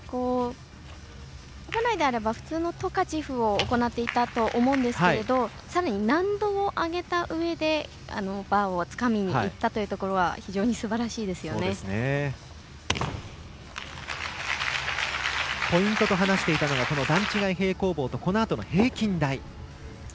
本来であれば普通のトカチェフを行っていたと思うんですがさらに難度を上げたうえでバーをつかみにいったというところはポイントと話していたのが段違い平行棒と平均台。